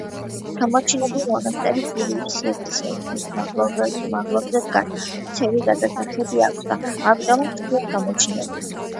გამოჩინებულის მონასტერი გურიის სერის ერთ-ერთ მაღლობზე დგას, ვრცელი გადასახედი აქვს და ამიტომაც ჰქვია გამოჩინებული.